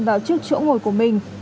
vào trước chỗ ngồi của mình